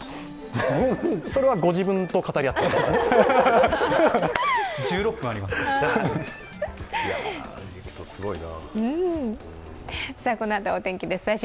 それはご自分と語り合ってください。